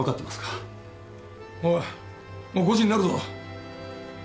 おいもう５時になるぞ。